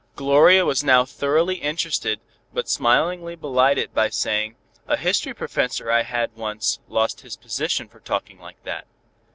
"_ Gloria was now thoroughly interested, but smilingly belied it by saying, "A history professor I had once lost his position for talking like that."